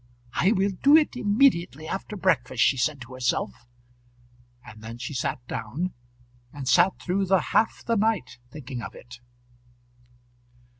"I will do it immediately after breakfast," she said to herself. And then she sat down, and sat through the half the night thinking of it.